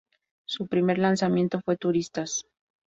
Su primer lanzamiento fue "Turistas".